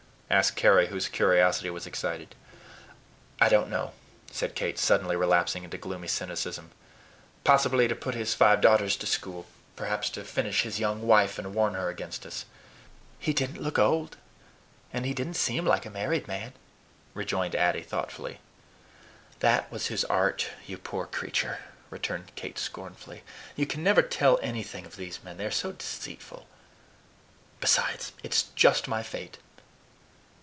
asked Carry, whose curiosity was excited. "I don't know," said Kate, suddenly relapsing into gloomy cynicism. "Possibly to put his five daughters to school; perhaps to finish his young wife, and warn her against us." "He didn't look old, and he didn't seem like a married man," rejoined Addy thoughtfully. "That was his art, you poor creature!" returned Kate scornfully. "You can never tell anything of these men, they are so deceitful. Besides, it's just my fate!"